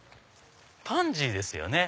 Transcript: パンジーですよね。